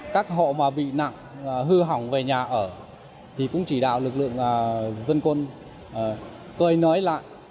các hộ mà bị nặng hư hỏng về nhà ở thì cũng chỉ đạo lực lượng dân quân cơi nới lại